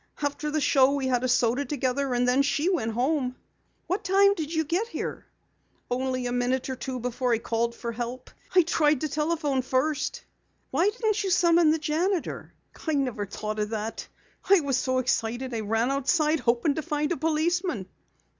After the show we had a soda together, and then she went home." "What time did you get here?" "Only a minute or two before I called for help. I tried the telephone first." "Why didn't you summon the janitor?" "I never thought of that. I was so excited I ran outside hoping to find a policeman."